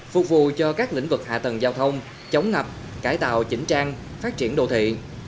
phục vụ cho các lĩnh vực hạ tầng giao thông chống ngập cải tạo chỉnh trang phát triển đô thị